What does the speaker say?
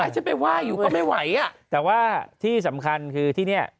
ฉันไปไหว้อยู่ก็ไม่ไหวอ่ะแต่ว่าที่สำคัญคือที่เนี่ย